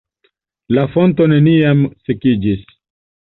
La fonto neniam sekiĝis.